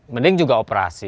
mending juga operasi